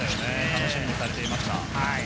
楽しみにされていました。